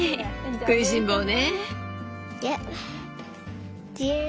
食いしん坊ね。